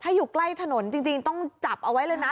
ถ้าอยู่ใกล้ถนนจริงต้องจับเอาไว้เลยนะ